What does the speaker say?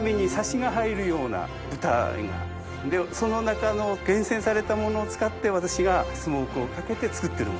その中の厳選されたものを使って私がスモークをかけて作ってる。